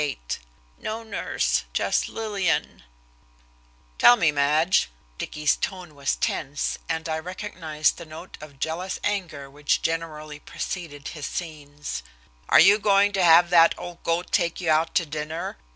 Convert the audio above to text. XXXVIII "NO NURSE JUST LILLIAN" "Tell me, Madge," Dicky's tone was tense, and I recognized the note of jealous anger which generally preceded his scenes, "are you going to have that old goat take you out to dinner?